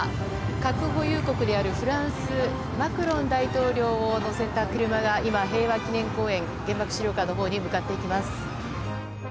核保有国であるフランス、マクロン大統領を乗せた車が今、平和記念公園、原爆資料館のほうに向かっていきます。